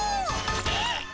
えっ？